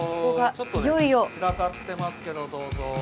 ちょっとね散らかってますけどどうぞ。